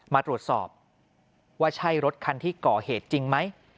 มาตรวจสอบว่าใช่รถคันที่ก่อเหตุจริงไหม